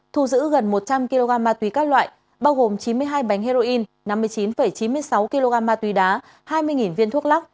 thu giữ gần một trăm linh kg ma túy các loại bao gồm chín mươi hai bánh heroin năm mươi chín chín mươi sáu kg ma túy đá hai mươi viên thuốc lắc